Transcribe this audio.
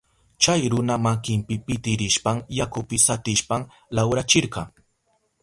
Chay runa makinpi pitirishpan yakupi satishpan lawrachirka.